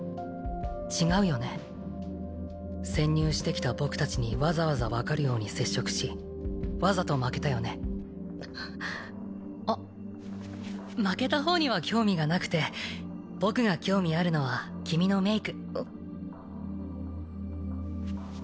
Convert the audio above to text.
違うよね潜入してきた僕達にわざわざ分かるように接触しわざと負けたよねあっ負けた方には興味がなくて僕が興味あるのは君のメイク